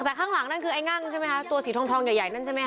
แต่ข้างหลังนั่นคือไอ้งั่งใช่ไหมคะตัวสีทองใหญ่นั่นใช่ไหมค